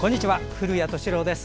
古谷敏郎です。